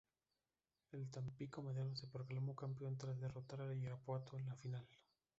El Tampico-Madero se proclamó campeón tras derrotar al Irapuato en la final.